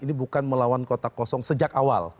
kita harus melawan kota kosong sejak awal